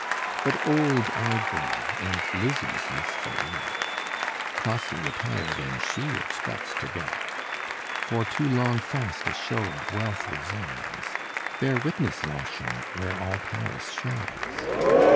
But old I grow, and Lizzy's youthful yet: Costly attire, then, she expects to get; For to long fast a show of wealth resigns Bear witness Longchamps, where all Paris shines!